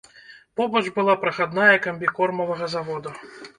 Побач была прахадная камбікормавага завода.